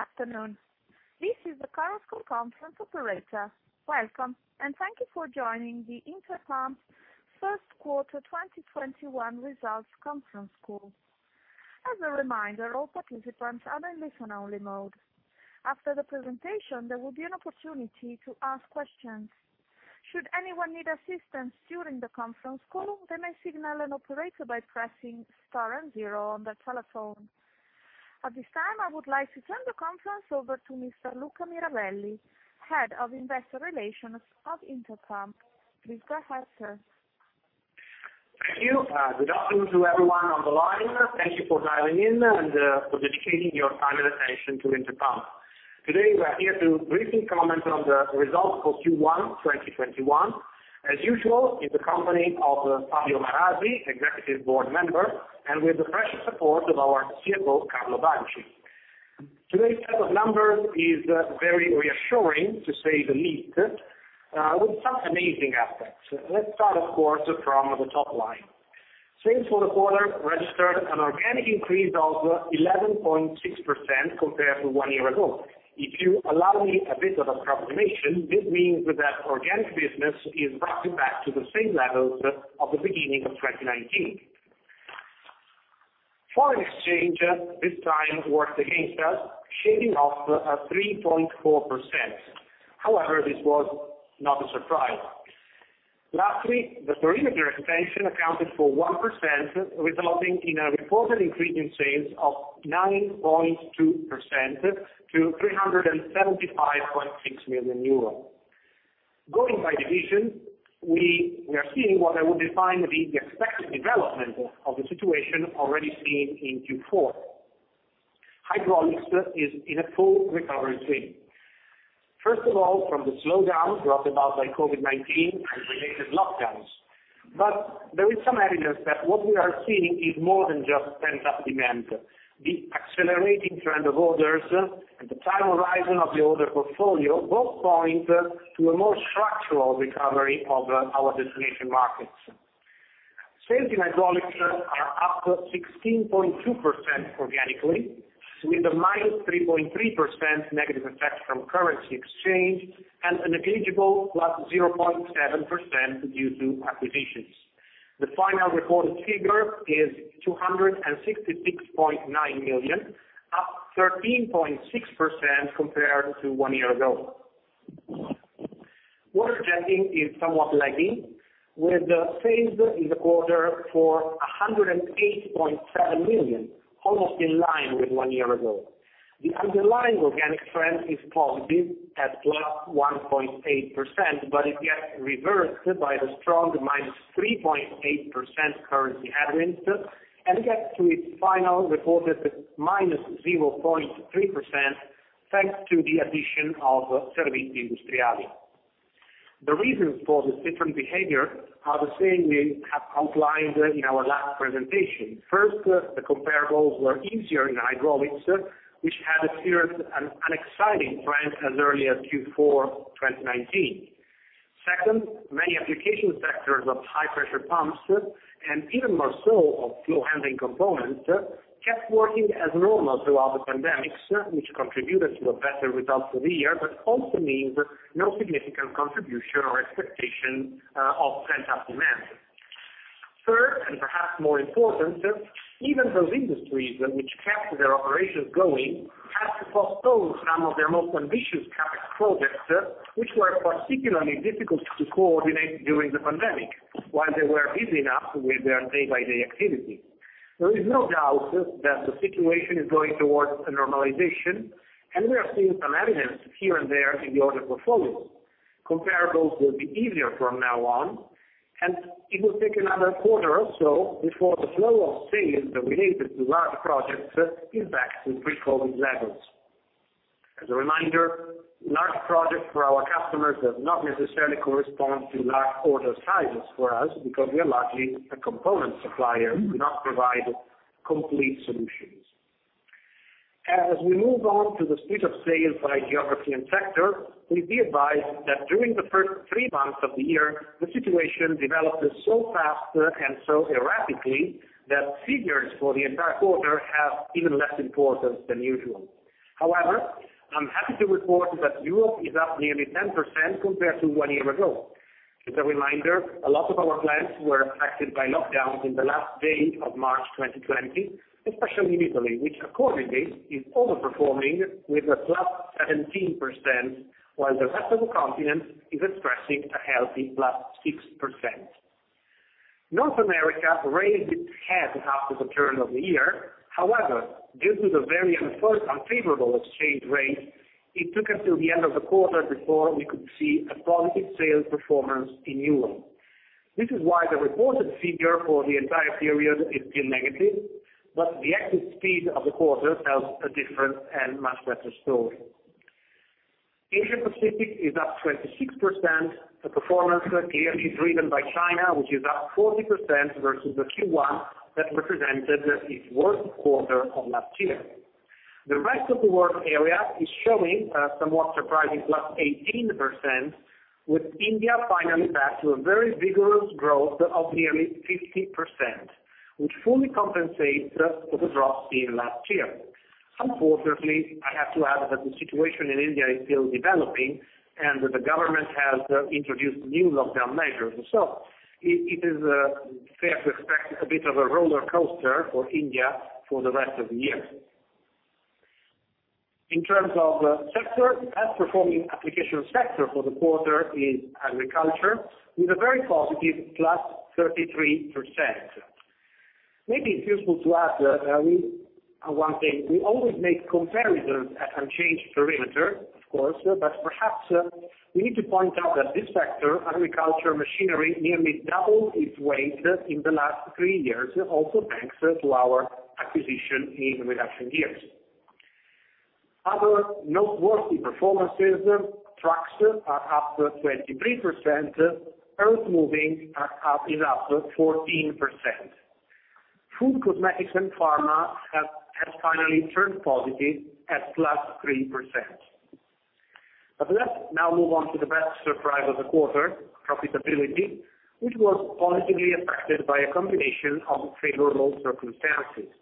Good afternoon, this is the Chorus Call conference operator. Welcome, and thank you for joining the Interpump First Quarter 2021 Results Conference Call. As a reminder, all participants are in listen-only mode. After the presentation, there will be an opportunity to ask questions. Should anyone need assistance during the conference call, they may signal an operator by pressing star and zero on their telephone. At this time, I would like to turn the conference over to Mr. Luca Mirabelli, Head of Investor Relations of Interpump, please go ahead, sir. Good afternoon to everyone on the line. Thank you for dialing in and for dedicating your time and attention to Interpump. Today, we are here to briefly comment on the results for Q1 2021. As usual, in the company of Fabio Marasi, executive board member, and with the precious support of our CFO, Carlo Banci. Today's set of numbers is very reassuring, to say the least, with some amazing aspects. Let's start, of course, from the top line. Sales for the quarter registered an organic increase of 11.6% compared to one year ago. If you allow me a bit of approximation, this means that organic business is back to the same level of the beginning of 2019. Foreign exchange, this time, worked against us, shaving off 3.4%. However, this was not a surprise. Lastly, the perimeter extension accounted for 1%, resulting in a reported increase in sales of 9.2% to 375.6 million euros. Going by division, we are seeing what I would define to be the expected development of the situation already seen in Q4. Hydraulics is in a full recovery phase. First of all, from the slowdown brought about by COVID-19 and related lockdowns. There is some evidence that what we are seeing is more than just pent-up demand. The accelerating trend of orders and the time horizon of the order portfolio both point to a more structural recovery of our destination markets. Sales in hydraulics are up 16.2% organically, with a -3.3% negative effect from currency exchange, and a negligible +0.7% due to acquisitions. The final reported figure is 266.9 million, up 13.6% compared to one year ago. Water jetting is somewhat lagging, with sales in the quarter for 108.7 million, almost in line with one year ago. The underlying organic trend is positive at +1.8%, but it gets reversed by the strong -3.8% currency headwind, and gets to its final reported -0.3% thanks to the addition of Servizi Industriali. The reasons for this different behavior are the same as outlined in our last presentation. First, the comparables were easier in hydraulics, which had experienced an exciting trend as early as Q4 2019. Second, many application sectors of high-pressure pumps, and even more so of flow handling components, kept working as normal throughout the pandemic, which contributed to a better result for the year, but also means no significant contribution or expectation of pent-up demand. Third, and perhaps more important, even those industries which kept their operations going had to postpone some of their most ambitious CapEx projects, which were particularly difficult to coordinate during the pandemic while they were busy enough with their day-by-day activities. There is no doubt that the situation is going towards a normalization, and we are seeing some evidence here and there in the order portfolio. Comparables will be easier from now on. It will take another quarter or so before the flow of sales related to large projects is back to pre-COVID levels. As a reminder, large projects for our customers does not necessarily correspond to large order sizes for us because we are largely a component supplier, we do not provide complete solutions. As we move on to the split of sales by geography and sector, please be advised that during the first three months of the year, the situation developed so fast and so erratically that figures for the entire quarter have even less importance than usual. However, I'm happy to report that Europe is up nearly 10% compared to one year ago. As a reminder, a lot of our plants were affected by lockdowns in the last days of March 2020, especially in Italy, which accordingly is overperforming with a +17%, while the rest of the continent is expressing a healthy +6%. North America raised its head after the turn of the year. However, due to the very unfavorable exchange rate, it took until the end of the quarter before we could see a positive sales performance in euro. This is why the reported figure for the entire period is still negative, but the active speed of the quarter tells a different and much better story. Asia Pacific is up 26%. The performance here is driven by China, which is up 40% versus a Q1 that represented its worst quarter on last year. The rest of the world area is showing a somewhat surprising +18%, with India finally back to a very vigorous growth of nearly 50%. Which fully compensates for the drop in last year. Unfortunately, I have to add that the situation in India is still developing, and the government has introduced new lockdown measures. It is fair to expect a bit of a rollercoaster for India for the rest of the year. In terms of sector, outperforming application sector for the quarter is agriculture, with a very positive +33%. Maybe it's useful to add one thing. We always make comparisons at unchanged perimeter, of course, but perhaps we need to point out that this sector, agriculture machinery, nearly doubled its weight in the last three years, also thanks to our acquisition in recent years. Other noteworthy performances, trucks are up 23%, earthmoving are up 14%. Food, cosmetics, and pharma have finally turned positive at +3%. Let's now move on to the best surprise of the quarter, profitability, which was positively affected by a combination of favorable circumstances.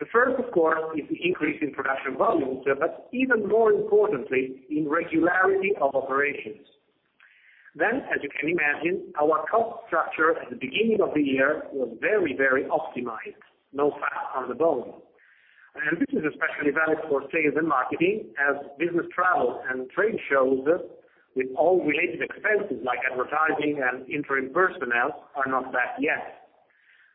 The first, of course, is the increase in production volumes, but even more importantly, in regularity of operations. As you can imagine, our cost structure at the beginning of the year was very optimized, no fat on the bone. This is especially valid for sales and marketing, as business travel and trade shows with all related expenses like advertising and interim personnel are not back yet.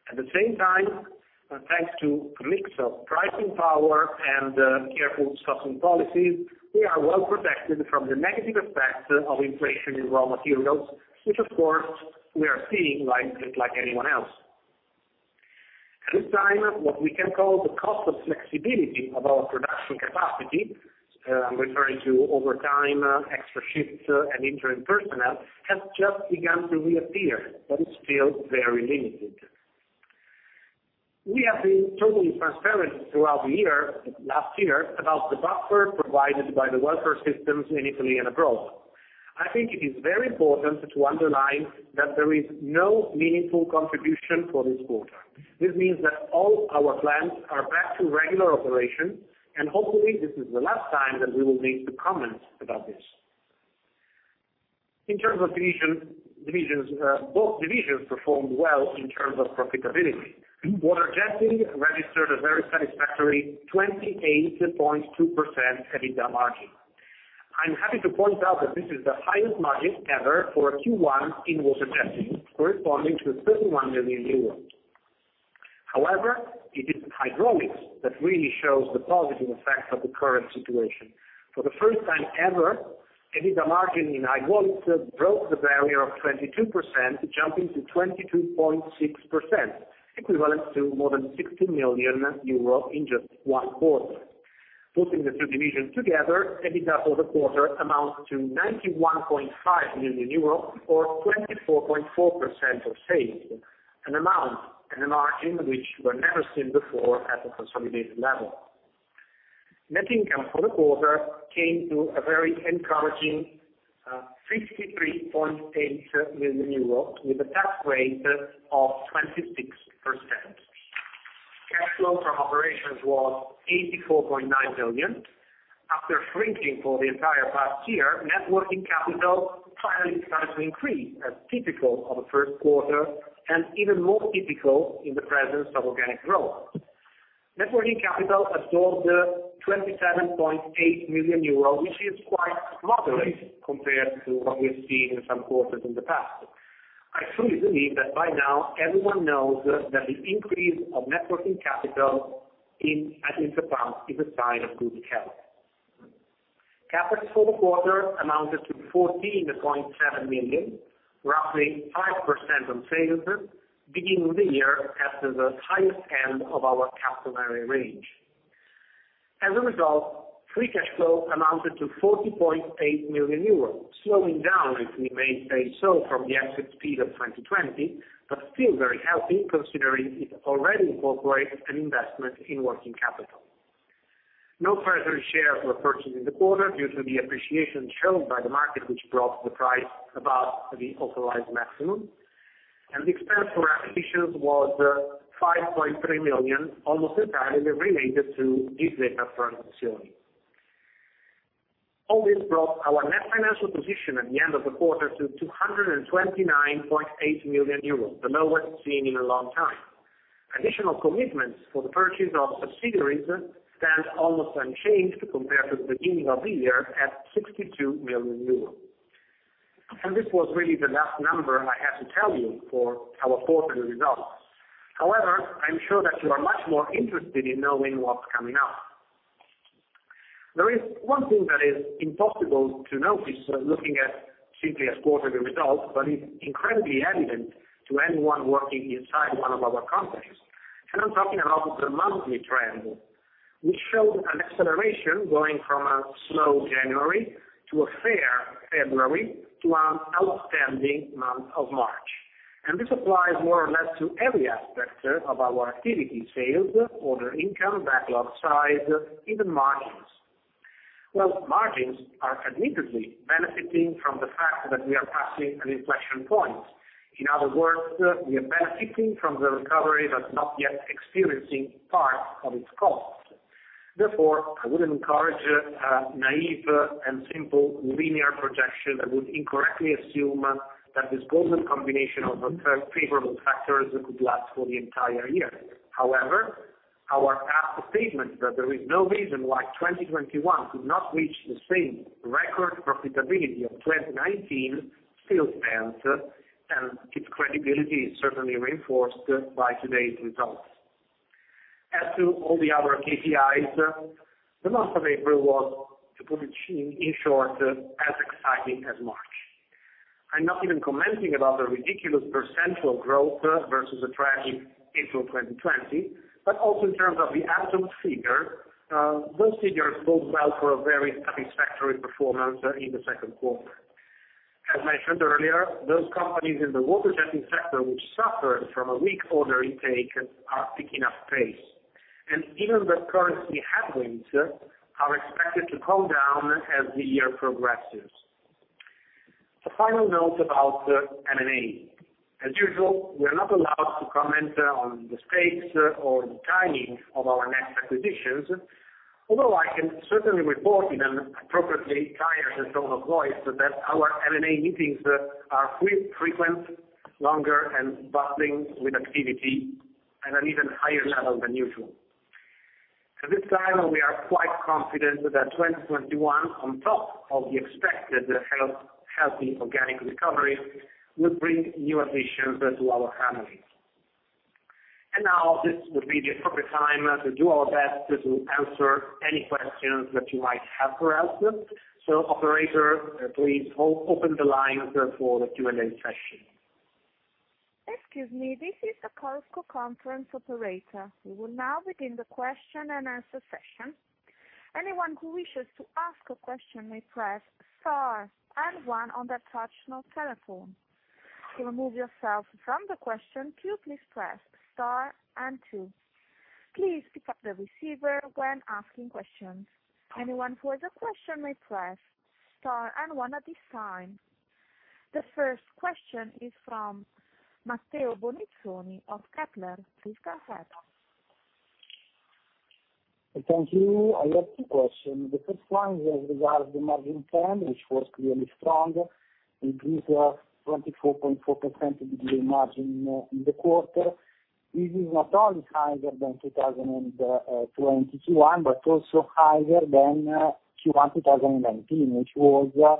At the same time, thanks to a mix of pricing power and careful stocking policies, we are well protected from the negative effects of inflation in raw materials, which, of course, we are seeing like anyone else. This time, what we can call the cost of flexibility of our production capacity, I'm referring to overtime, extra shifts, and interim personnel, has just begun to reappear, but it's still very limited. We have been totally transparent throughout last year about the buffer provided by the welfare systems, mainly abroad. I think it is very important to underline that there is no meaningful contribution for this quarter. This means that all our plants are back to regular operation, and hopefully, this is the last time that we will need to comment about this. In terms of divisions, both divisions performed well in terms of profitability. Water jetting registered a very satisfactory 28.2% EBITDA margin. I'm happy to point out that this is the highest margin ever for a Q1 in water jetting, corresponding to 31 million euros. It is hydraulics that really shows the positive effects of the current situation. For the first time ever, EBITDA margin in hydraulics broke the barrier of 22% to jump into 22.6%, equivalent to more than 60 million euro in just one quarter. Putting the two divisions together, EBITDA for the quarter amounts to 91.5 million euros or 24.4% of sales, an amount and a margin which were never seen before at the consolidated level. Net income for the quarter came to a very encouraging 63.8 million euros, with a tax rate of 26%. Cash flow from operations was 84.9 billion. After shrinking for the entire past year, net working capital finally started to increase, as typical of a first quarter and even more typical in the presence of organic growth. Net working capital absorbed 27.8 million euros, which is quite moderate compared to what we've seen in some quarters in the past. I truly believe that by now everyone knows that the increase of net working capital at this amount is a sign of good health. CapEx for the quarter amounted to 14.7 million, roughly 5% on sales, beginning the year at the highest end of our capital range. Free cash flow amounted to 40.8 million euros, slowing down, if we may say so, from the excess speed of 2020, but still very healthy considering it already incorporates an investment in working capital. No further shares were purchased this quarter due to the appreciation shown by the market, which brought the price above the authorized maximum. Expense for acquisitions was 5.3 million, almost entirely related to I.M.M. Hydraulics. All this brought our net financial position at the end of the quarter to 229.8 million euros, the lowest seen in a long time. Additional commitments for the purchase of subsidiaries stand almost unchanged compared to the beginning of the year at 62 million euros. This was really the last number I had to tell you for our quarter results. I am sure that you are much more interested in knowing what's coming up. There is one thing that is impossible to notice when looking at simply as quarter results, but it's incredibly evident to anyone working inside one of our companies. I'm talking about the monthly trend. We showed an acceleration going from a slow January to a fair February to an outstanding month of March. This applies more or less to every aspect of our activity, sales, order income, backlog size, even margins. Well, margins are admittedly benefiting from the fact that we are passing an inflection point. In other words, we are benefiting from the recovery that is not yet experiencing part of its costs. Therefore, I wouldn't encourage a naive and simple linear projection that would incorrectly assume that this golden combination of favorable factors could last for the entire year. However, our statement that there is no reason why 2021 could not reach the same record profitability of 2019 still stands, and its credibility is certainly reinforced by today's results. As to all the other KPIs, the month of April was, to put it in short, as exciting as March. I'm not even commenting about the ridiculous percentile growth versus the tragic April 2020, but also in terms of the absolute figure, those figures bode well for a very satisfactory performance in the second quarter. As I said earlier, those companies in the water jetting sector which suffered from a weak order intake are picking up pace, and even the currency headwinds are expected to come down as the year progresses. A final note about M&A. As usual, we are not allowed to comment on the stakes or the timing of our next acquisitions, although I can certainly report in an appropriately tired and solemn voice that our M&A meetings are frequent, longer, and bustling with activity at an even higher level than usual. At this time, we are quite confident that 2021, on top of the expected healthy organic recovery, will bring new additions to our family. Now, this would be the proper time to do our best to answer any questions that you might have for us. Operator, please open the lines for the Q&A session. The first question is from Matteo Bonizzoni of Kepler Cheuvreux, please go ahead. Thank you, I have two questions. The first one regards the margin trend, which was really strong, increased 24.4% EBITDA margin in the quarter. This is not only higher than 2021, but also higher than Q1 2019, which was,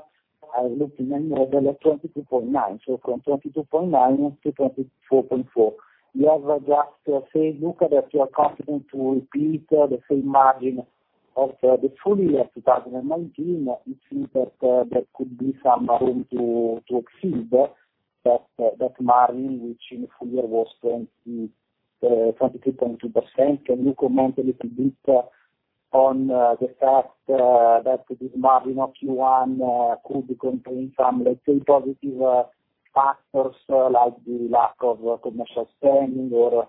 I looked in my notes, 22.9%. From 22.9%-24.4%, you have just said, l, that you are confident to repeat the same margin of the full year 2019, which means that there could be some room to yield that margin, which in full year was 20%-22%. Can you comment a little bit on the fact that this margin of Q1 could be containing some less positive factors, like the lack of commercial spending or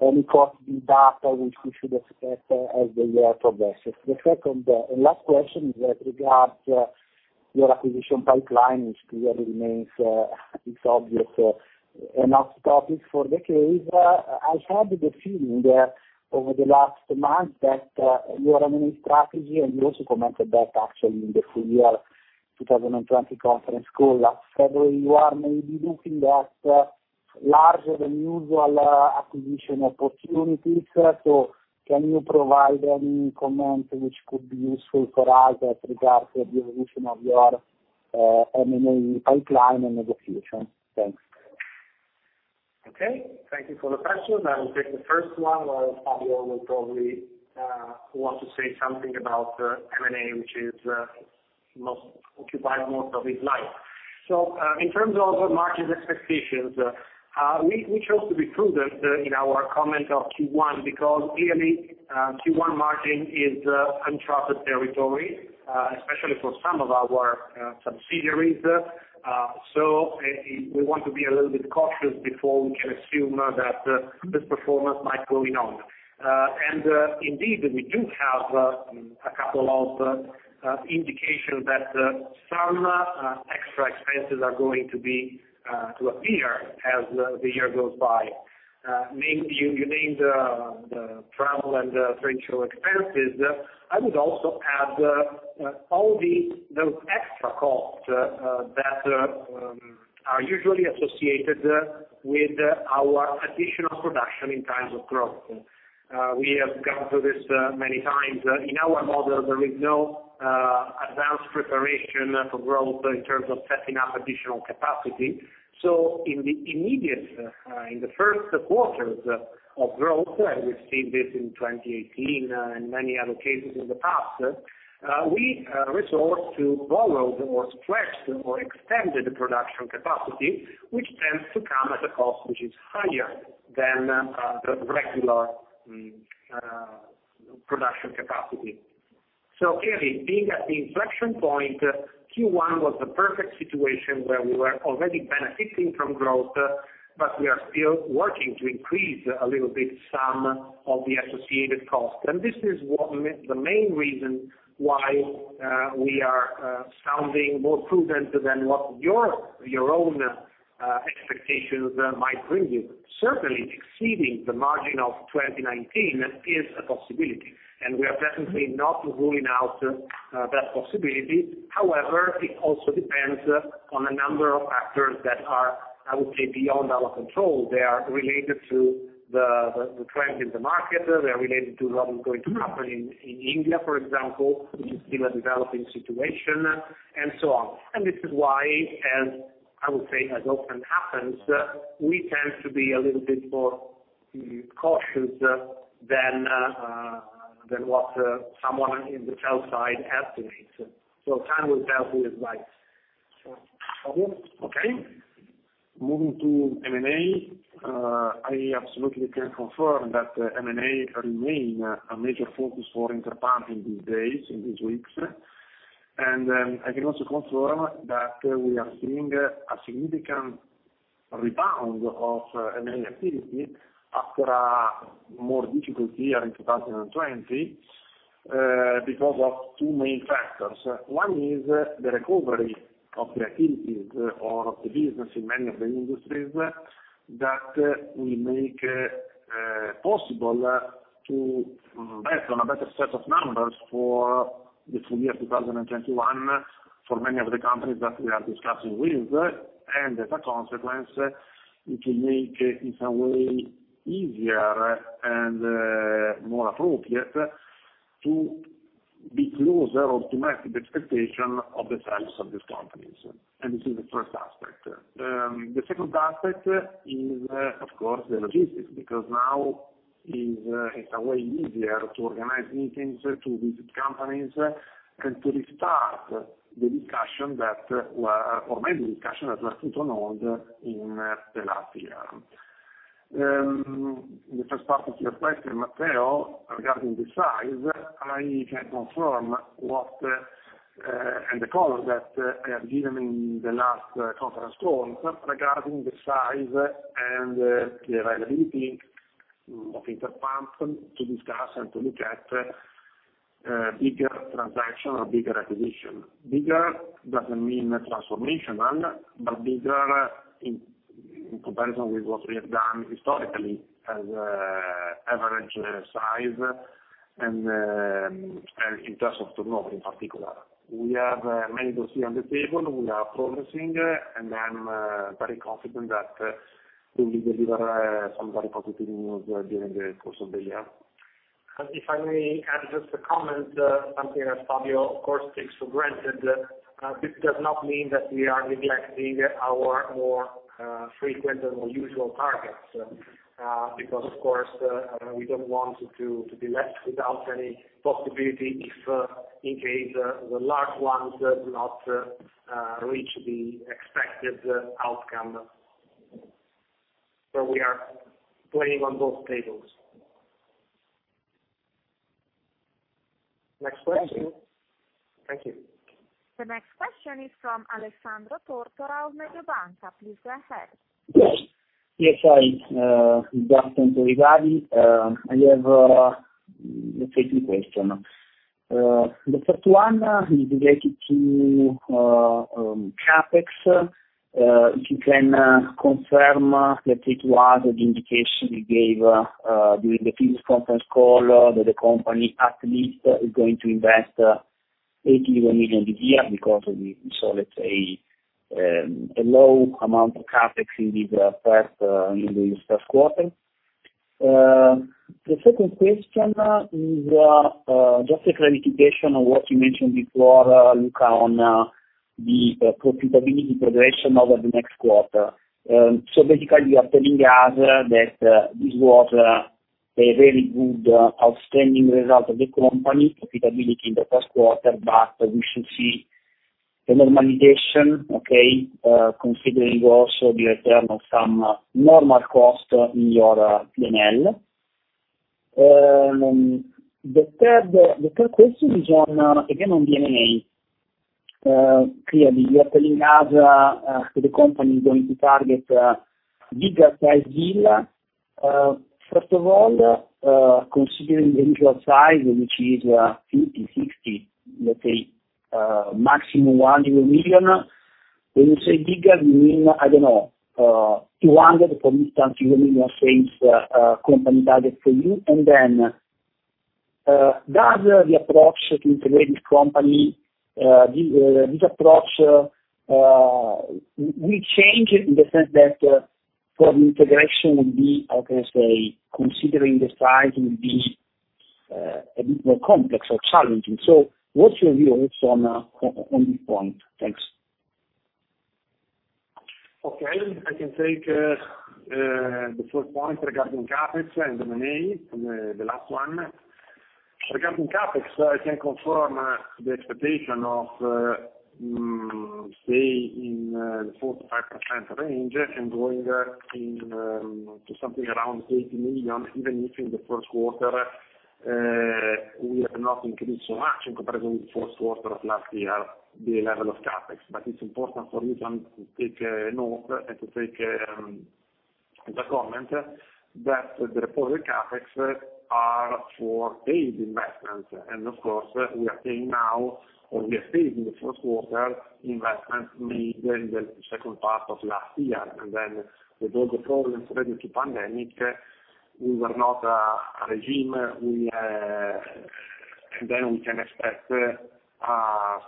any costly data which could affect as the year progresses? The second last question regards your acquisition pipeline, which really remains, it's obvious, an hot topic for the case. I had the feeling that over the last months that your M&A strategy, and you also commented that actually in the full year 2020 conference call, several of your M&A deals reflect larger than usual acquisition opportunities. Can you provide any comment which could be useful for us regards the evolution of your M&A pipeline and acquisitions? Thanks. Okay, thank you for the question. I will take the first one, while Fabio will probably want to say something about M&A, which is occupying most of his life. In terms of margin expectations, we chose to be prudent in our comment of Q1 because clearly Q1 margin is uncharted territory, especially for some of our subsidiaries. We want to be a little bit cautious before we assume that this performance might go on. Indeed, we do have a couple of indications that some extra expenses are going to appear as the year goes by. Mainly you named the travel and the financial expenses. I would also add all those extra costs that are usually associated with our additional production in times of growth. We have gone through this many times. In our model, there is no advanced preparation for growth in terms of setting up additional capacity. In the first quarters of growth, and we've seen this in 2018 and many other cases in the past, we resort to borrowed or stretched or extended production capacity, which tends to come at a cost which is higher than the regular production capacity. Clearly, being at the inflection point, Q1 was the perfect situation where we were already benefiting from growth, but we are still working to increase a little bit some of the associated costs. This is the main reason why we are sounding more prudent than your own. Expectations might bring you. Certainly, exceeding the margin of 2019 is a possibility, and we are definitely not ruling out that possibility. However, it also depends on a number of factors that are, I would say, beyond our control. They are related to the trends in the market, they are related to what is going to happen in India, for example, which is still a developing situation, and so on. This is why, and I would say as often happens, we tend to be a little bit more cautious than what someone in the outside estimates. Time will tell who is right. Moving to M&A, I absolutely can confirm that M&A remains a major focus for Interpump in these days, in these weeks. I can also confirm that we are seeing a significant rebound of M&A activity after a more difficult year in 2020, because of two main factors. One is the recovery of the activities or the business in many of the industries that will make it possible to bet on a better set of numbers for the full year 2021 for many of the companies that we are discussing with. As a consequence, it will make it in a way easier and more appropriate to be closer or to match the expectation of the sellers of these companies. This is the first aspect. The second aspect is, of course, the logistics, because now it's in a way easier to organize meetings to visit companies and to restart the discussion that were already in discussion but put on hold in the last year. The first part of your question, Matteo, regarding the size, I can confirm what, and the comment that during the last conference call regarding the size and the availability of Interpump to discuss and to look at a bigger transaction or bigger acquisition. Bigger doesn't mean transformational, but bigger in comparison with what we have done historically as average size and in terms of turnover in particular. We have many deals on the table, we are progressing, and I'm very confident that we will deliver some very positive news during the course of the year. If I may add just a comment, something that Fabio, of course, takes for granted. This does not mean that we are neglecting our more frequent and more usual targets. Of course, we don't want to be left without any possibility in case the large ones do not reach the expected outcome. We are playing on both tables. Next question. Thank you. The next question is from Alessandro Tortora of Mediobanca. Please go ahead. Yes, sorry. Just some three queries. I have three questions; the first one is related to CapEx. If you can confirm that Q1, the indication you gave during the Q1 conference call that the company at least is going to invest 80 million this year because of, let's say, a low amount of CapEx in the first quarter. The second question is just a clarification on what you mentioned before, Luca, on the profitability progression over the next quarter. Basically, you are telling us that this was a very good, outstanding result of the company profitability in the first quarter, but we should see a normalization, considering also the return of some normal cost in your P&L. The third question is on again on M&A. Clearly, you are telling us the company is going to target bigger size deal. First of all, considering the deal size, which is 50 million-60 million, maximum 100 million euro. When you say bigger, you mean, I don't know, 200 million, euro 250 million of sales company target for you? Does the approach to integrate this company, this approach will change in the sense that from integration will be, how can I say, considering the size will be a little more complex or challenging? What's your view on this point? Thanks. Okay, I can take the first point regarding CapEx and M&A, the last one. Regarding CapEx, I can confirm the expectation of stay in the 4%-5% range and going in to something around 80 million. In the meantime, the first quarter, we have not increased so much in comparison with first quarter of last year, the level of CapEx. It's important for you to take note and to take in the comment that the positive CapEx are for paid investments, and of course, we are paying now or we are paying in the first quarter investments made in the second part of last year. With all the problems related to pandemic, we were not a regime. We can expect a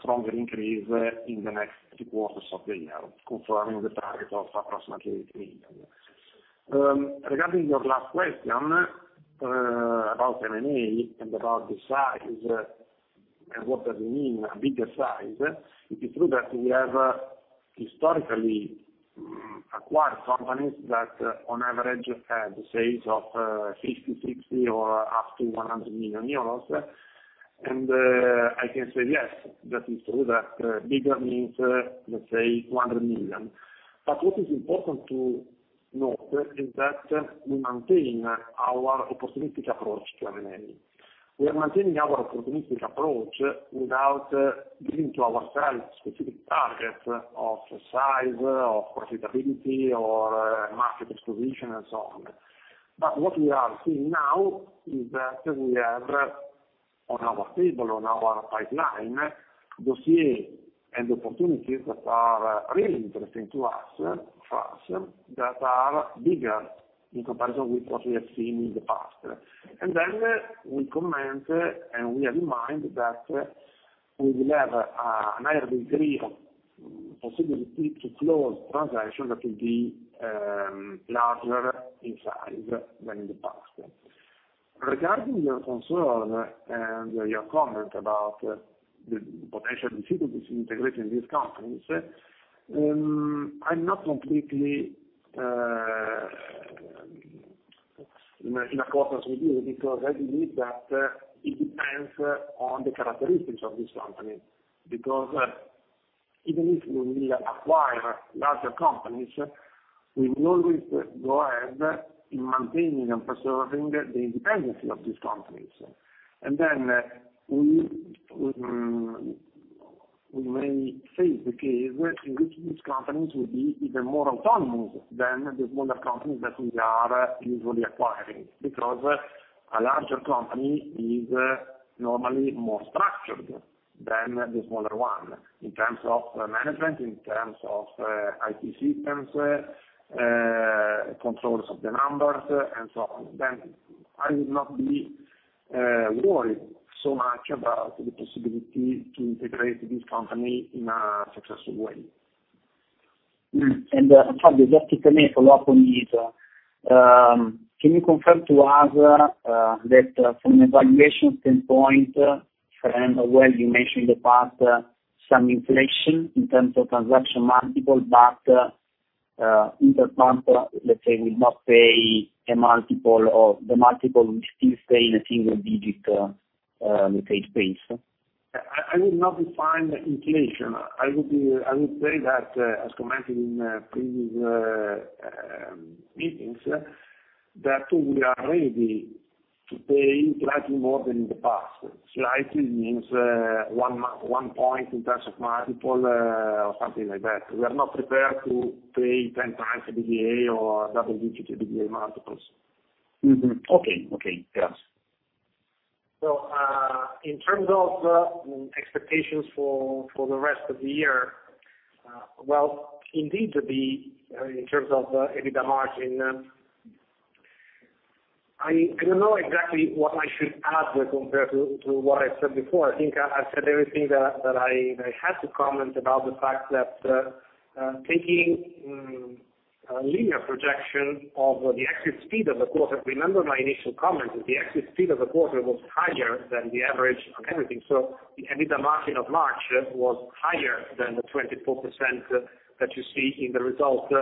stronger increase in the next two quarters of the year, confirming the targets of our strategic plan. Regarding your last question, about M&A and about the size, and what I mean a bigger size, it is true that we have historically acquired companies that on average had the size of 60 million or up to 100 million euros, and I can say yes, that is true, that bigger means, let's say, 200 million. What is important to note is that we maintain our opportunistic approach to M&A. We are maintaining our opportunistic approach without giving to ourselves specific targets of size, of profitability or market position and so on. What we are seeing now is that we have on our table, on our pipeline, dossiers and opportunities that are really interesting to us that are bigger in comparison with what we have seen in the past. We comment, and we remind that we will have a higher degree of possibility to close transactions that will be larger in size than in the past. Regarding your concern and your comment about the potential difficulties integrating these companies, I'm not completely in a position to agree, because I believe that it depends on the characteristics of this company. Even if we acquire larger companies, we will always go ahead in maintaining and preserving the independence of these companies. We may face the case in which these companies will be even more autonomous than the smaller companies that we are usually acquiring, because a larger company is normally more structured than the smaller one in terms of management, in terms of IT systems, controls of the numbers, and so on. I would not be worried so much about the possibility to integrate this company in a successful way. Fabio, just to make a follow-up on this. Can you confirm to us that from an evaluation standpoint, I am aware you mentioned in the past some inflation in terms of transaction multiple, but Interpump, let's say, will not pay a multiple or the multiple will still stay in a single digit, let's say, space? I would not define inflation. I would say that as commented in previous meetings, that we are ready to pay slightly more than in the past. Slightly means one point in terms of multiple or something like that. We are not prepared to pay 10x EBITDA or double-digit EBITDA multiples. Okay, yes. In terms of expectations for the rest of the year, well, indeed, in terms of EBITDA margin, I don't know exactly what I should add compared to what I said before. I think I said everything that I had to comment about the fact that taking a linear projection of the active speed of the quarter. Remember my initial comment that the active speed of the quarter was higher than the average of everything. The EBITDA margin of March was higher than the 24% that you see in the results.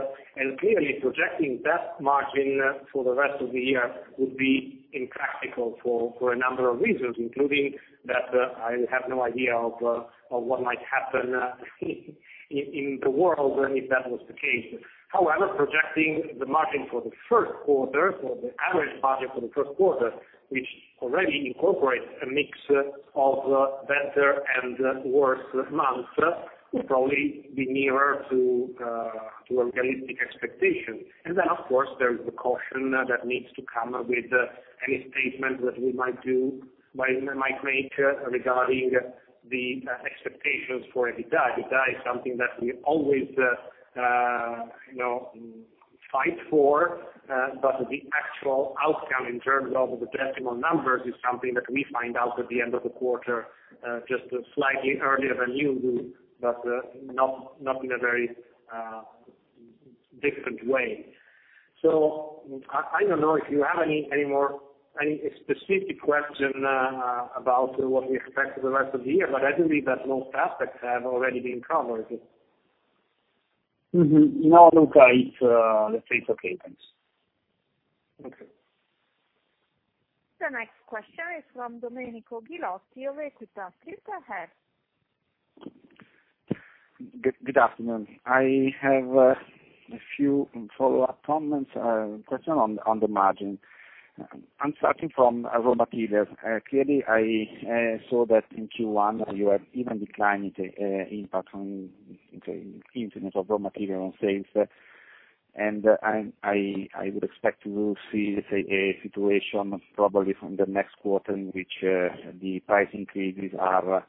Clearly projecting that margin for the rest of the year would be impractical for a number of reasons, including that I have no idea of what might happen in the world, and if that was the case. However, projecting the margin for the first quarter, for the average margin for the first quarter, which already incorporates a mix of better and worse months, would only be nearer to organic expectations. Then, of course, there is the caution that needs to come with any statement that we might make regarding the expectations for EBITDA. EBITDA is something that we always fight for, but the actual outcome in terms of the decimal numbers is something that we find out at the end of the quarter, just slightly earlier than you do, but not in a very different way. I don't know if you have any more specific question about what we expect for the rest of the year, but I believe that most aspects have already been covered. No, look, Let's say it's okay, thanks. Okay. The next question is from Domenico Ghilotti of Equita SIM. Go ahead. Good afternoon, I have a few follow-up comments, first on the margin. I'm starting from raw materials. Clearly, I saw that in Q1 you had even declining impact on the increment of raw material on sales, and I would expect to see, let's say, a situation probably from the next quarter in which the price increases are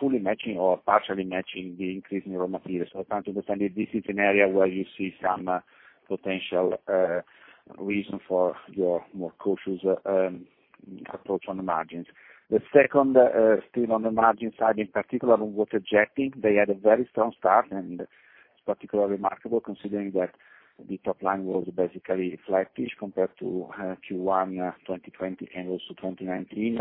fully matching or partially matching the increase in raw materials. I'm trying to understand if this is an area where you see some potential reason for your more cautious approach on the margins. The second, still on the margin side, in particular on water jetting, they had a very strong start, and particularly remarkable considering that the top line was basically flattish compared to Q1 2020 and also 2019.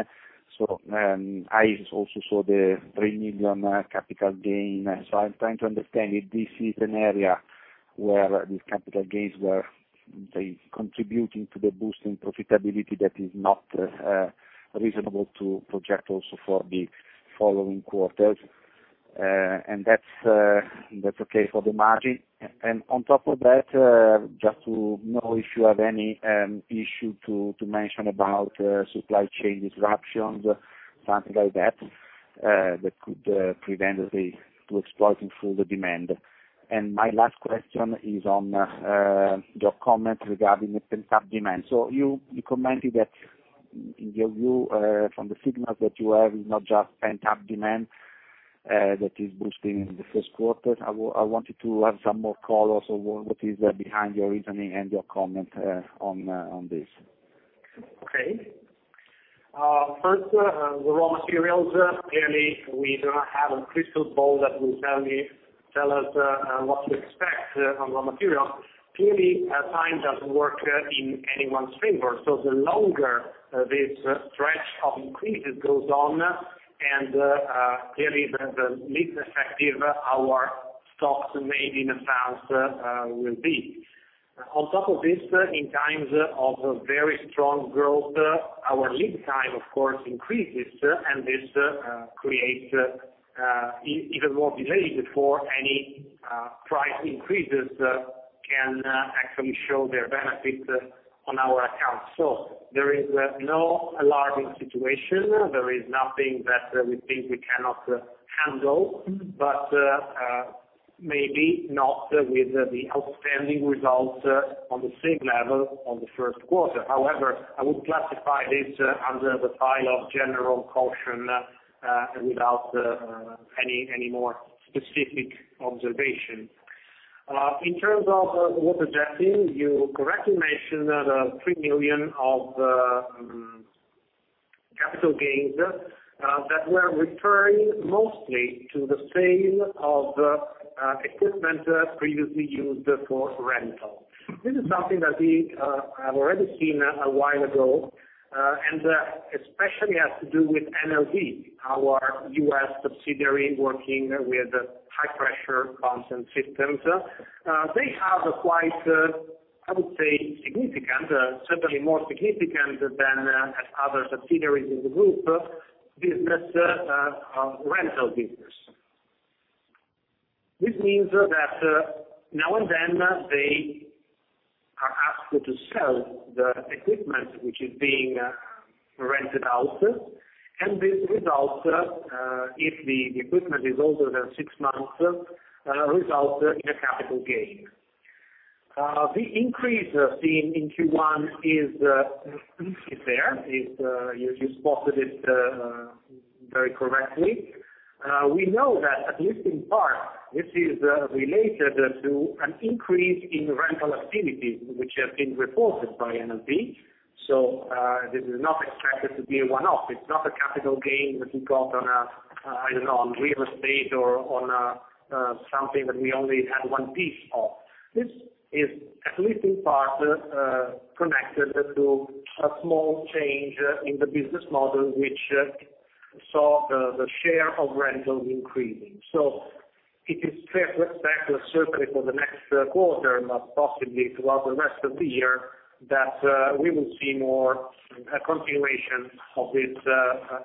I also saw the 3 million capital gain. I'm trying to understand if this is an area where these capital gains were contributing to the boost in profitability that is not reasonable to project also for the following quarters. That's okay for the margin. On top of that, just to know if you have any issue to mention about supply chain disruptions, something like that could prevent to exploiting further demand. My last question is on your comments regarding the pent-up demand. You commented that in your view, from the signals that you have, it's not just pent-up demand that is boosting the first quarter. I wanted to have some more color on what is behind your reasoning and your comments on this. Okay, first, the raw materials. Clearly, we do not have a crystal ball that will tell us what to expect from raw materials. Clearly, time doesn't work in anyone's favor. The longer this stretch of increases goes on, and clearly, the less effective our stocks made in the past will be. On top of this, in times of a very strong growth, our lead time, of course, increases, and this creates, even more delays before any price increases can actually show their benefit on our accounts. There is no alarming situation, there is nothing that we think we cannot handle, but maybe not with the outstanding results on the same level on the first quarter. However, I would classify this under the file of general caution, without any more specific observation. In terms of water jetting, you correctly mentioned 3 million of capital gains that were referring mostly to the sale of equipment previously used for rental. This is something that we have already seen a while ago, and especially has to do with NLB, our U.S. subsidiary, working with high-pressure pump systems. They have quite, I would say, significant, certainly more significant than other subsidiaries in the group, rental business. This means that now and then they are asked to sell the equipment, which is being rented out, and this results, if the equipment is older than six months, results in a capital gain. The increase seen in Q1 is significant. You spotted it very correctly. We know that at least in part, this is related to an increase in rental activities, which have been reported by NLB. This is not expected to be a one-off. It's not a capital gain that we got on, I don't know, on real estate or on something that we only have one piece of. This is at least in part, connected to a small change in the business model, which saw the share of rentals increasing. It is fair to expect certainly for the next quarter, and possibly throughout the rest of the year, that we will see more continuation of this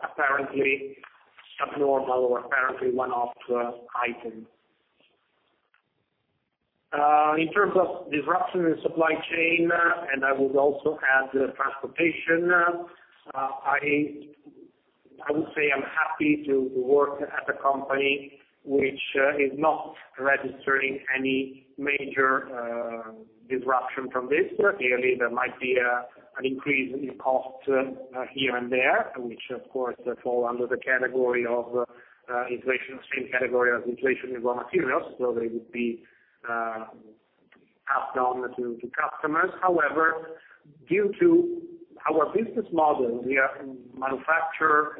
apparently abnormal or apparently one-off item. In terms of disruption in supply chain, and I would also add transportation, I would say I'm happy to work at a company which is not registering any major disruption from this. Clearly, there might be an increase in cost here and there, which, of course, fall under the category of inflation in raw materials, so they would be passed on to customers. However, due to our business model, we manufacture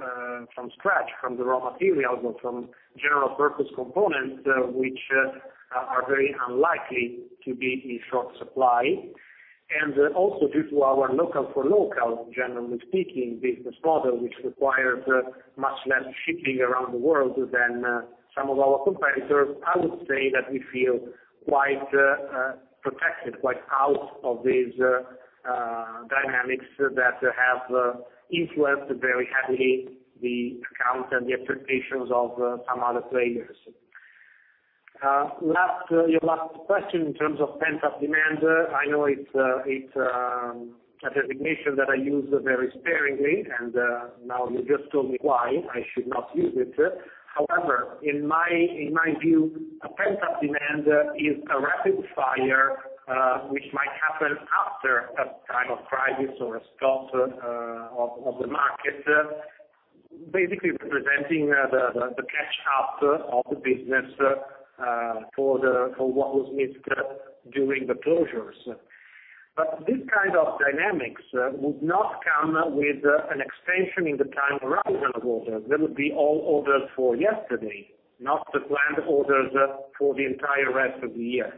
from scratch from the raw materials or from general purpose components, which are very unlikely to be in short supply. Also, due to our local for local, generally speaking, business model, which requires much less shipping around the world than some of our competitors, I would say that we feel quite protected, quite out of these dynamics that have influenced very heavily the account and the expectations of some other players. Your last question in terms of pent-up demand, I know it's a designation that I use very sparingly, and now you just told me why I should not use it. However, in my view, a pent-up demand is a rapid fire, which might happen after a time of crisis or a stop of the market, basically presenting the cash after of the business for what was missed during the closures. This kind of dynamics would not come with an extension in the time horizon of orders. They would be all orders for yesterday, not the planned orders for the entire rest of the year.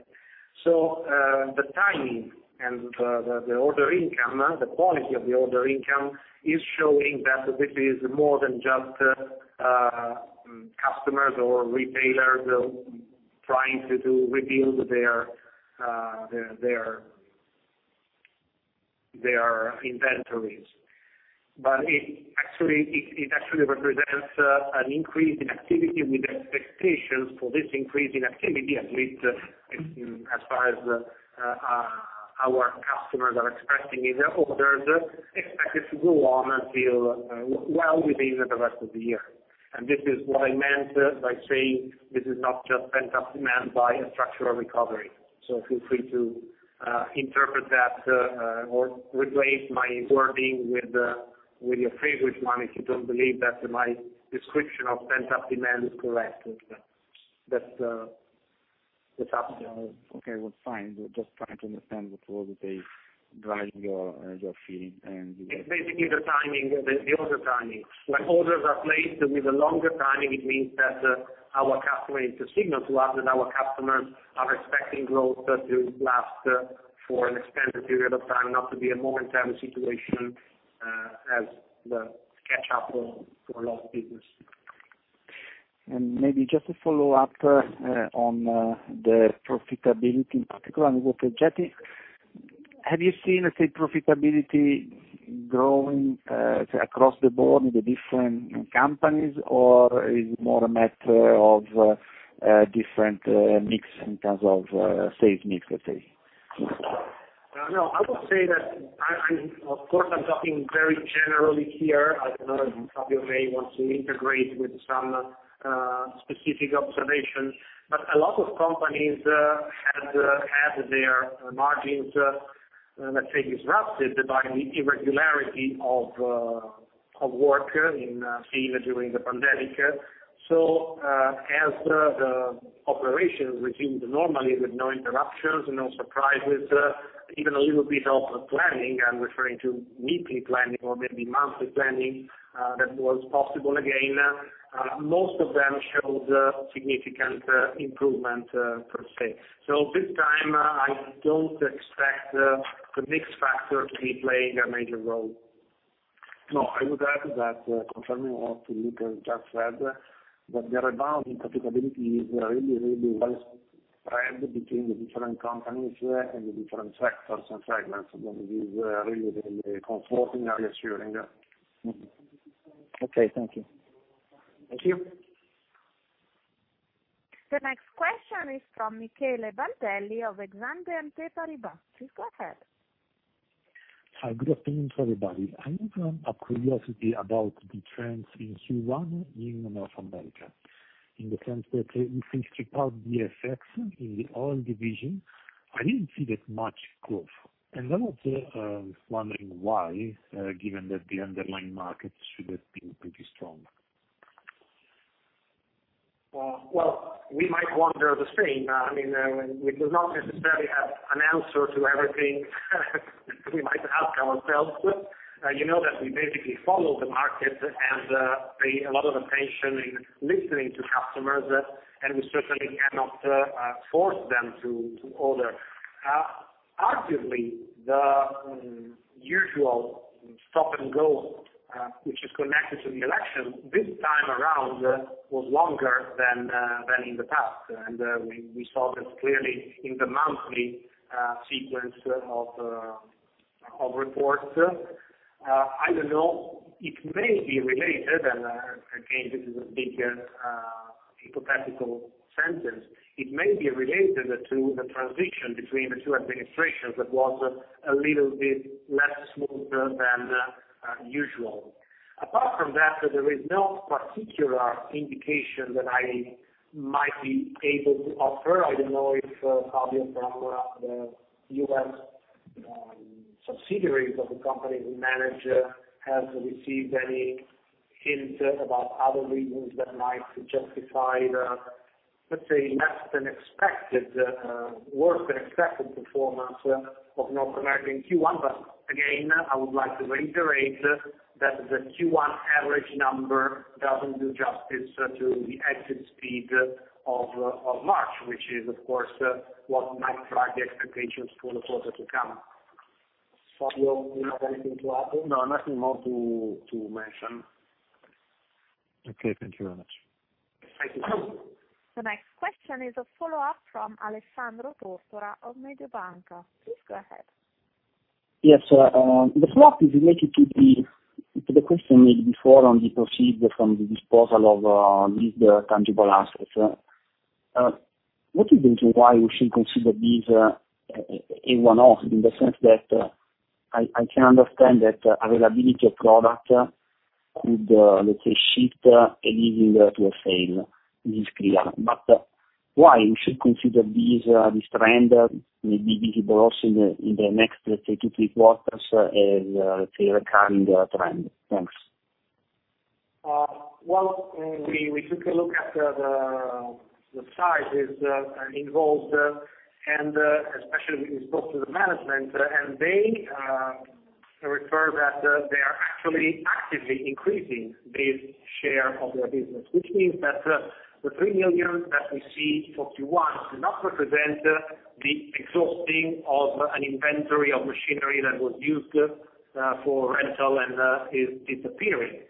The timing and the order income, the quality of the order income, is showing that this is more than just customers or retailers trying to rebuild their inventories. It actually represents an increase in activity with expectations for this increase in activity, at least as far as our customers are expressing in their orders, expected to go on until well within the rest of the year. This is what I meant by saying this is not just pent-up demand by a structural recovery. Feel free to interpret that, or replace my wording with your favorite one if you don't believe that my description of pent-up demand is correct, that's the topic. Okay, fine, just trying to understand what would be driving your feeling. It's basically the timing, the order timing. When orders are placed with a longer timing, it means that our customer is a signal to us that our customers are expecting growth to last for an extended period of time, not to be a momentary situation as the catch-up for a lot of business. Maybe just to follow up on the profitability in particular. Have you seen, say, profitability growing across the board in the different companies or is it more a matter of different mix in terms of sales mix, let's say? I would say that actually, of course, I'm talking very generally here. Fabio may want to integrate with some specific observations, a lot of companies had their margins, let's say, disrupted by the irregularity of work in field during the pandemic. As the operations resumed normally with no interruptions, no surprises, even a little bit of planning, I'm referring to weekly planning or maybe monthly planning, that was possible again, most of them showed significant improvement for the same. This time, I don't expect the mix factor to be playing a major role. No, I would add to that, confirming what Luca just said, that the rebound in profitability is really well spread between the different companies and the different sectors and segments. That is really comforting and reassuring. Okay, thank you. Thank you. The next question is from Michele Baldelli of BNP Paribas, please go ahead. Good afternoon, everybody. I have a curiosity about the trends in Q1 in North America, in the sense that if we strip out the effects in the oil division, I didn't see that much growth. Also, I was wondering why, given that the underlying market should have been pretty strong. Well, we might wonder the same. It is not necessarily an answer to everything we might ask ourselves. You know that we basically follow the market and pay a lot of attention in listening to customers, and we certainly cannot force them to order. Arguably, the usual stop and go, which is connected to the election this time around, was longer than in the past. We saw that clearly in the monthly sequence of reports. I don't know, it may be related, and again, this is a big hypothetical sentence. It may be related to the transition between the two administrations that was a little bit less smooth than usual. Apart from that, there is no particular indication that I might be able to offer. I don't know if Fabio, the U.S. subsidiary of the company manager, has received any hints about other reasons that might justify, let's say, less than expected, worse than expected performance of North American Q1. Again, I would like to reiterate that the Q1 average number doesn't do justice to the exit speed of March, which is of course what might drive the expectations for the quarter to come. Fabio, you have anything to add? No, nothing more to mention. Okay, thank you very much. Thank you. The next question is a follow-up from Alessandro Tortora of Mediobanca, please go ahead. Yes, the follow-up is related to the question made before on the proceds from the disposal of these tangible assets. What is the reason why we should consider this a one-off in the sense that I can understand that availability of product could, let's say, shift a leading to a sale in this pillar, but why we should consider this trend may be visible also in the next few quarters as a recurring trend? Thanks. Well, we took a look at the sizes involved, and especially we spoke to the management, and they refer that they are actually actively increasing this share of their business, which means that the 3 million that we see for Q1 does not represent the exhausting of an inventory of machinery that was used for rental and is disappearing.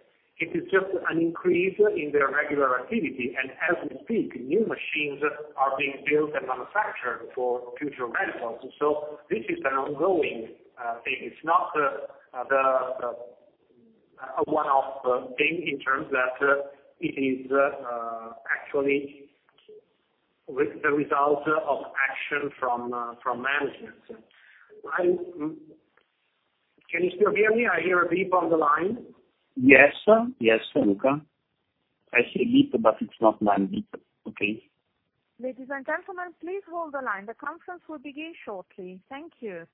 It is just an increase in their regular activity. As we speak, new machines are being built and manufactured for future rentals. This is an ongoing thing. It's not a one-off thing in terms that it is actually the result of action from management. Can you still hear me? I hear a beep on the line. Yes, Luca, I hear a beep, but it's not line beep, okay. Ladies and gentlemen, please hold the line. The conference will begin shortly, thank you.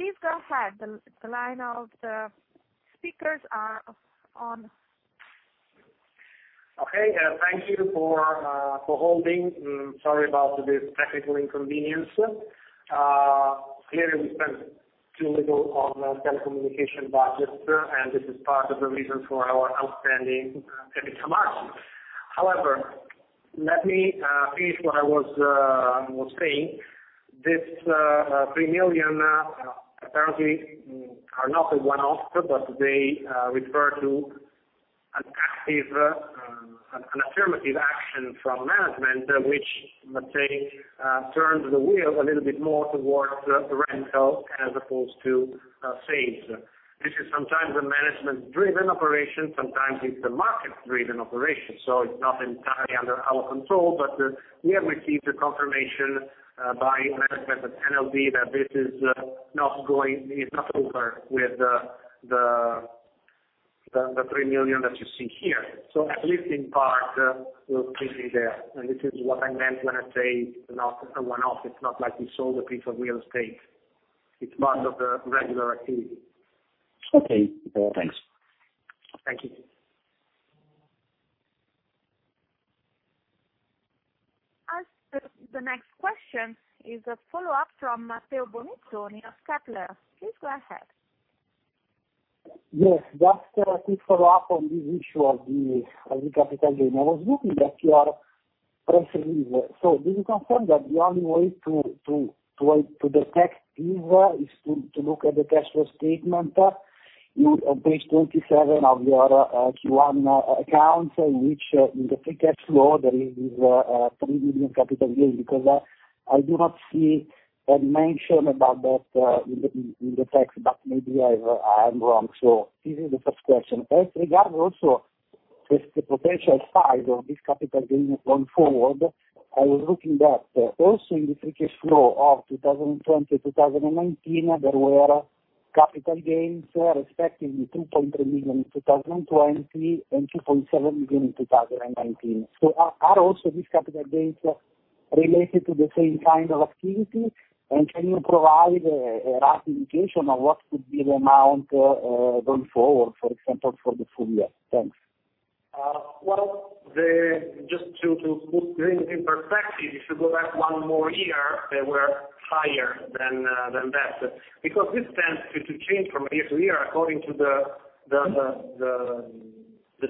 Please go ahead, the line of the speakers are on. Okay, thank you for holding. Sorry about this technical inconvenience. Clearly, we spend too little on telecommunication budgets, and this is part of the reason for our outstanding performance. Let me finish what I was saying. This 3 million apparently are not a one-off, but they refer to an affirmative action from management, which, let's say, turns the wheel a little bit more towards rental as opposed to sales. This is sometimes a management-driven operation, sometimes it's a market-driven operation, it's not entirely under our control. Here we see the confirmation by management of NLB that this is not over with the 3 million that you see here. At least in part, we're pretty there. This is what I meant when I say not a one-off. It's not like we sold a piece of real estate. It's part of the regular activity. Okay, thanks. Thank you. The next question is a follow-up from Matteo Bonizzoni of Kepler Cheuvreux, please go ahead. Yes, just a quick follow-up on this issue of the capital gain. I was looking at your press release. Do you confirm that the only way to detect this is to look at the cash flow statement in page 27 of your Q1 accounts, which in the free cash flow, there is 3 million capital gain, because I do not see a mention about that in the text, but maybe I'm wrong. This is the first question. Regarding also the potential size of this capital gain going forward, I was looking that also in the free cash flow of 2020, 2019, there were capital gains respectively 2.3 million in 2020 and 2.7 million in 2019. Are also these capital gains related to the same kind of activity? Can you provide a rough indication on what could be the amount going forward, for example, for the full year? Thanks. Well, just to put things in perspective, if you go back one more year, they were higher than that. This tends to change from year to year according to the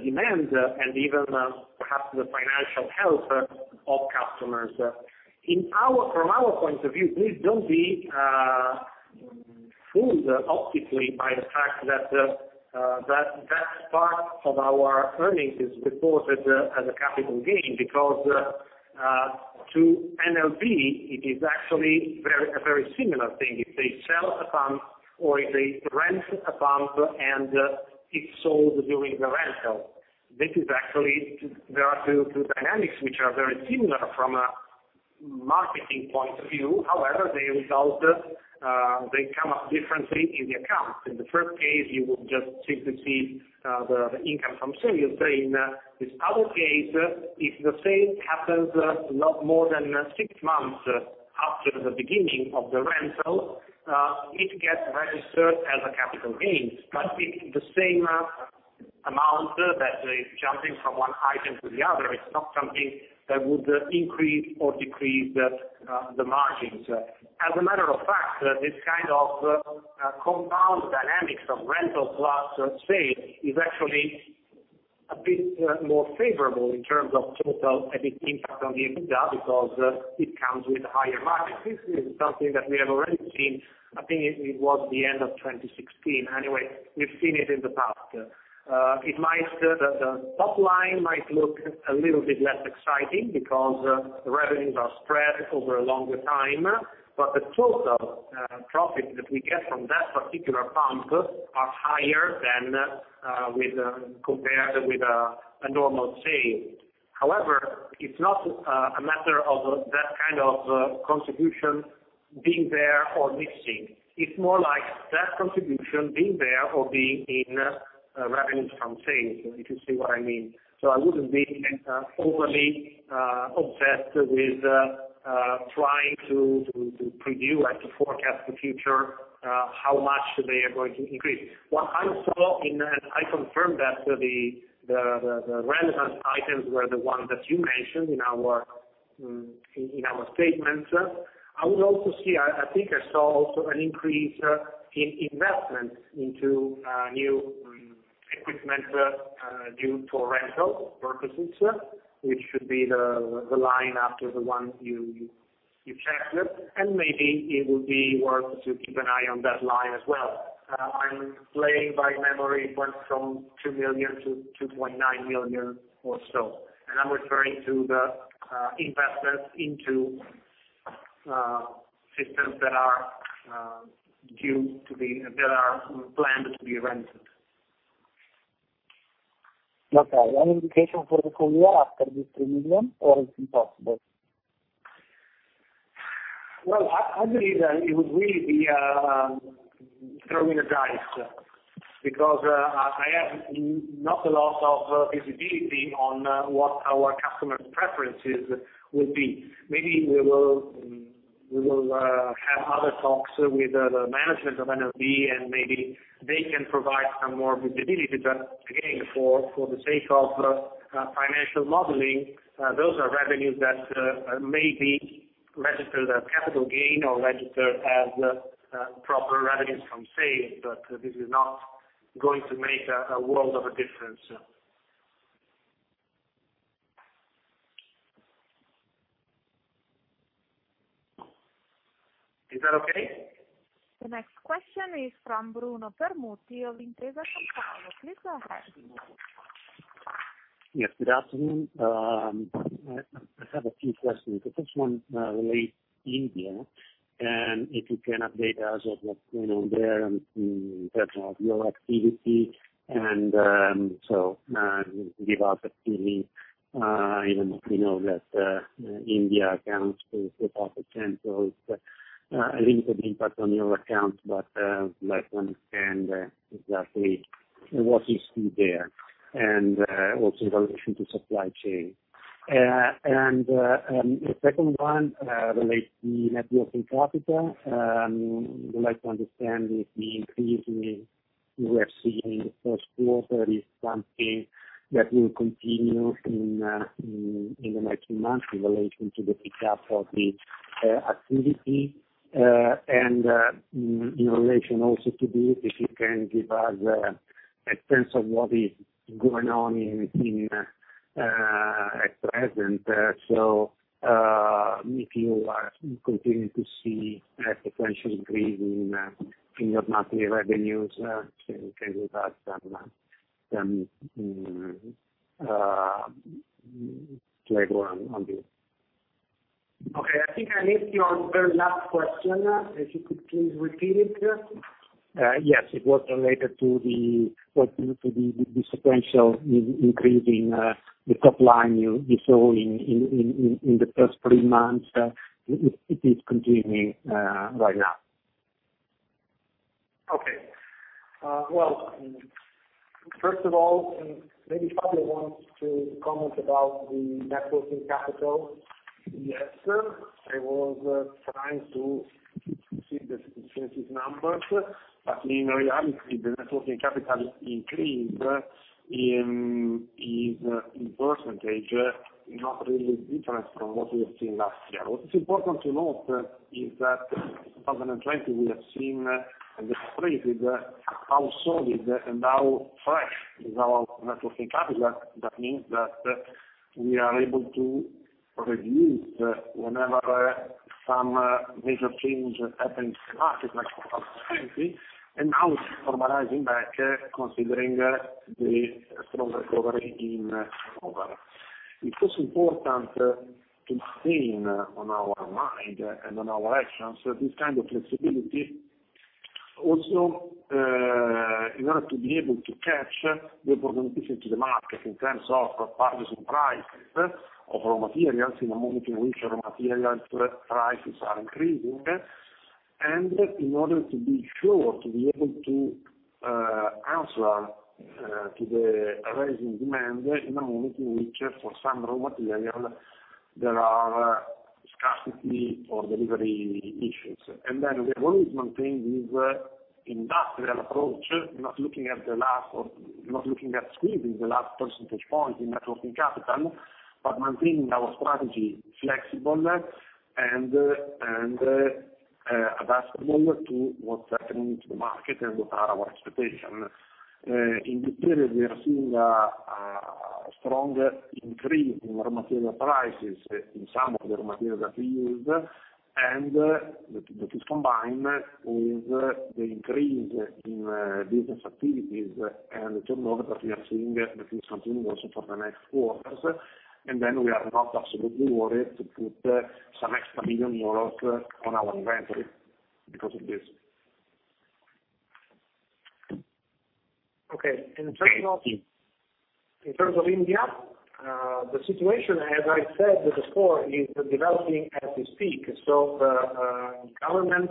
demand and even perhaps the financial health of customers. From our point of view, please don't be fooled optically by the fact that part of our earnings is reported as a capital gain, because to NLB, it is actually a very similar thing. If they sell a pump or if they rent a pump and it's sold during the rental, there are two dynamics which are very similar from a marketing point of view. They come up differently in the accounts. In the first case, you will just simply see the income from sales. In this other case, if the sale happens not more than six months after the beginning of the rental, it gets registered as a capital gain. It's the same amount that is jumping from one item to the other. It's not something that would increase or decrease the margins. As a matter of fact, this kind of compound dynamics of rental plus sale is actually a bit more favorable in terms of total net impact on EBITDA, because it comes with a higher margin. This is something that we have already seen. I think it was the end of 2016. Anyway, we've seen it in the past. The top line might look a little bit less exciting because the revenues are spread over a longer time. The total profit that we get from that particular pump are higher than compared with a normal sale. However, it's not a matter of that kind of contribution being there or missing. It's more like that contribution being there or being in revenue from sales, if you see what I mean. I wouldn't be overly obsessed with trying to preview, to forecast the future, how much they are going to increase. What I saw, and I confirmed that the relevant items were the ones that you mentioned in our statements. I would also see, I think I saw also an increase in investment into new equipment due for rental purposes, which should be the line after the one you checked. Maybe it would be worth to keep an eye on that line as well. I'm playing by memory. It went from 2 million-2.9 million or so. I'm referring to the investments into systems that are planned to be rented. Okay, any indication for the full year after this premium or it's impossible? No, I believe that it would really be throwing a dice, because I have not a lot of visibility on what our customers preferences would be. Maybe we will have other talks with the managers of NOV and maybe they can provide a more visibility. Again, for the sake of financial modeling, those are revenues that may be registered as capital gain or registered as proper revenues from sales. This is not going to make a world of a difference. Is that okay? The next question is from Bruno Permutti of Intesa Sanpaolo, please go ahead. Yes, good afternoon. I have a few questions, the first one relates to India. If you can update us of what's going on there in terms of your activity, give us a feeling. We know that India accounts for a little bit impact on your accounts. I would like to understand exactly what you see there, and also in relation to supply chain. The second one relates to net working capital. I would like to understand if the increase we are seeing in the first quarter is something that will continue in the next few months in relation to the pickup of the activity. In relation also to this, if you can give us a sense of what is going on in India at present. If you continue to see a potential increase in your monthly revenues, can you give us some color on this? Okay, I think I missed your very last question, if you could please repeat it. Yes, it was related to the potential increase in the top line you saw in the first three months, if it's continuing right now? Okay, well, first of all, maybe Fabio wants to comment about the net working capital. Yes, I was trying to keep secret the sensitivity numbers. In reality, the net working capital increase in percentage is not really different from what we have seen last year. What's important to note is that 2020, we have seen this crisis, how solid and how fresh is our net working capital. That means that we are able to reduce whenever some major change happens to the market, like 2020. Now it's normalizing back, considering the strong recovery in turnover. It's also important to maintain on our mind and on our actions this kind of flexibility. Also, in order to be able to catch the competitiveness of the market in terms of prices of raw materials in a moment in which raw materials prices are increasing, and in order to be sure to be able to answer to the rising demand in a moment in which for some raw material, there are scarcity or delivery issues. We always maintain this industrial approach, not looking at squeezing the last percentage point in net working capital, but maintaining our strategy flexible and adaptable to what's happening to the market and what are our expectations. In this period, we are seeing a strong increase in raw material prices in some of the raw materials that we use. To combine with the increase in business activities and turnover that we are seeing, that will continue also for the next quarters. We are not absolutely worried to put some extra million more on our inventory because of this. Okay. In terms of India, the situation, as I said before, is developing as we speak. The government,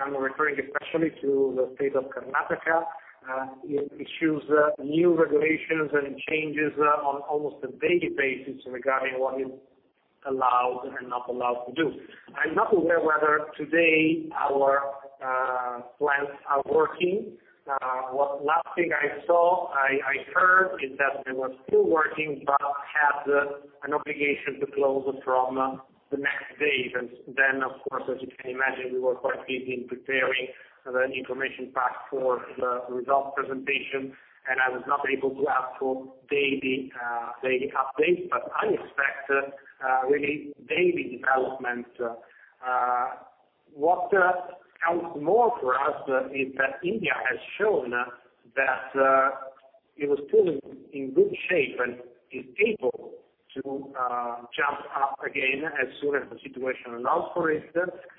I'm referring especially to the state of Karnataka, it issues new regulations and changes on almost a daily basis regarding what is allowed and not allowed to do. I'm not aware whether today our plants are working. Last thing I saw, I heard, is that they were still working, had an obligation to close from the next day. Of course, as you can imagine, we were quite busy preparing the information pack for the results presentation, and I was not able to have a daily update. I expect really daily developments. What counts more for us is that India has shown that it was still in good shape and is able to jump up again as soon as the situation allows for it,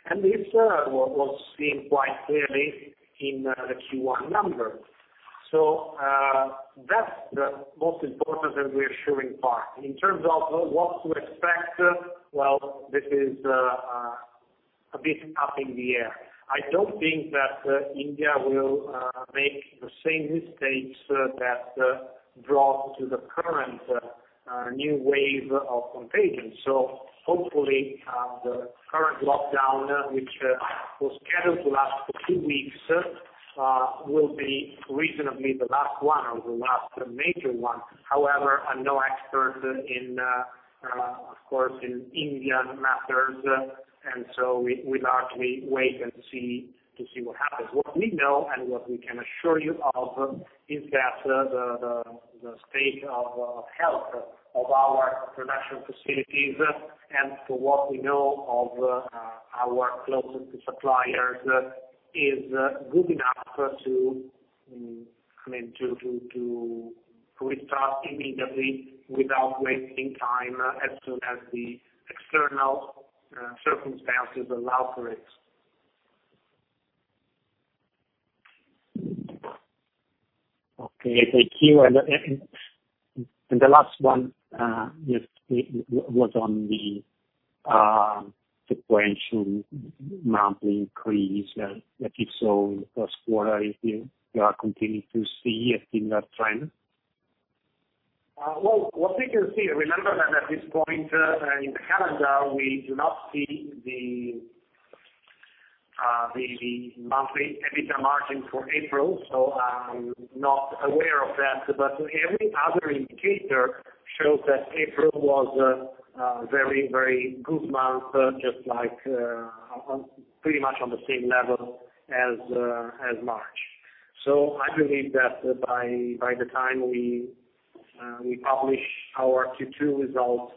and this was seen quite clearly in the Q1 numbers. That's the most important, and reassuring part. In terms of what to expect, well, this is a bit up in the air. I don't think that India will make the same mistakes that brought to the current new wave of contagion. Hopefully, the current lockdown, which was scheduled to last for two weeks, will be reasonably the last one or the last major one. I'm no expert, of course, in India matters, and so we'd actually wait and see what happens. What we know and what we can assure you of is that the state of health of our production facilities, and for what we know of our closest suppliers, is good enough to restart immediately without wasting time, as soon as the external circumstances allow for it. Okay, thank you. The last one, just was on the sequential monthly increase that you saw in the first quarter. If you are continuing to see it in that trend? What we can see, remember that at this point in the calendar, we do not see the monthly EBITDA margin for April, so I'm not aware of that. Every other indicator shows that April was a very, very good month, just like pretty much on the same level as March. I believe that by the time we publish our Q2 results,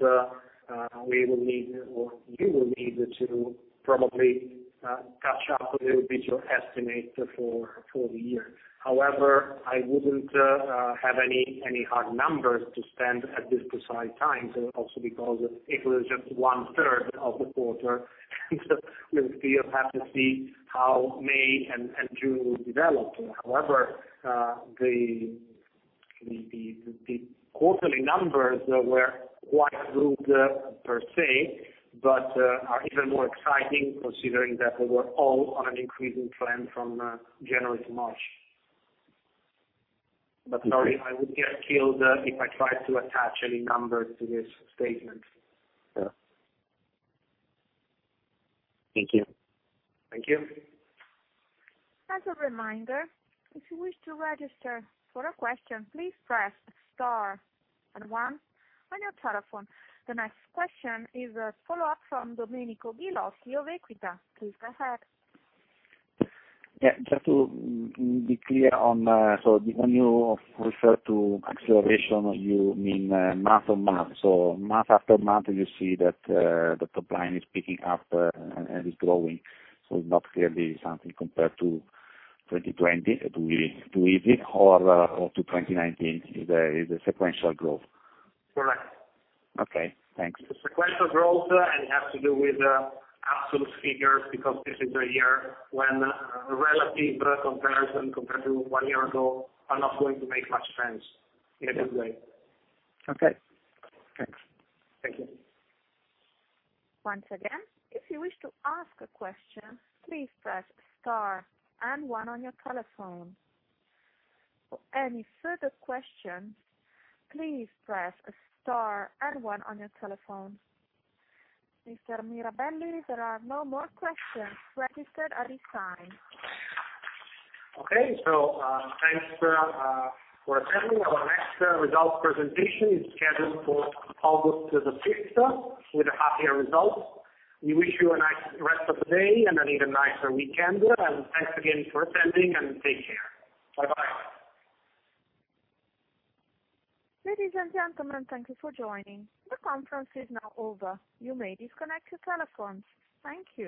we will need, or you will need to probably catch up a little bit your estimate for the year. However, I wouldn't have any hard numbers to spend at this precise time, also because April is just 1/3 of the quarter, and we'll still have to see how May and June will develop. However, the quarterly numbers were quite good per se, but are even more exciting considering that they were all on an increasing trend from January to March. Sorry, I would get killed if I tried to attach any numbers to this statement. Thank you. Thank you. As a reminder, if you wish to register for a question, please press star and one on your telephone. The next question is a follow-up from Domenico Ghilotti of Equita, please go ahead. Yeah, just to be clear on, so when you refer to acceleration, you mean month-on-month. Month after month, you see that the top line is picking up and is growing, so it's not really something compared to 2020, to easy, or to 2019 is a sequential growth? Correct. Okay, thanks. Sequential growth, has to do with absolute figures because this is the year when relative comparison compared to one year ago are not going to make much sense either way. Okay, thanks. Thank you. Once again, if you wish to ask a question, please press star and one on your telephone. For any further questions, please press star and one on your telephone. Mr. Mirabelli, there are no more questions registered at this time. Okay, thanks for attending. Our next results presentation is scheduled for August the sixth with the half-year results. We wish you a nice rest of the day and an even nicer weekend, and thanks again for attending, and take care, bye-bye. Ladies and gentlemen, thank you for joining. The conference is now over, you may disconnect your telephones, thank you.